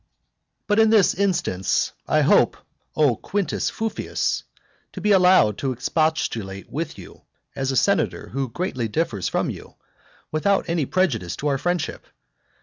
But in this instance, I hope, O Quintus Fufius, to be allowed to expostulate with you, as a senator who greatly differs from you, without any prejudice to our friendship.